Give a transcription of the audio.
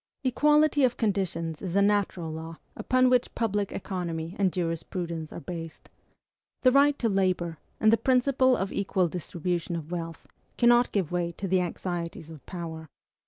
Equality of conditions is a natural law upon which public economy and jurisprudence are based. The right to labor, and the principle of equal distribution of wealth, cannot give way to the anxieties of power.